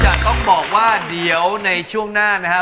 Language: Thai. จะต้องบอกว่าเดี๋ยวในช่วงหน้านะฮะ